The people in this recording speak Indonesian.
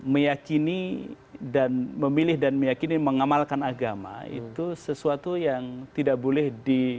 meyakini dan memilih dan meyakini mengamalkan agama itu sesuatu yang tidak boleh di